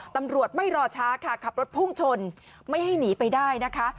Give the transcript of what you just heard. ตำรวจไม่รอช้าค่ะขับรถพุ่งชนไม่ให้หนีไปได้นะคะ